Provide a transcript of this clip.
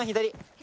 左。